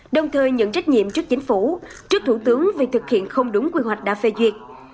đồng thời nhận trách nhiệm trước chính phủ trước thủ tướng vì thực hiện không đúng quy hoạch đã phê duyệt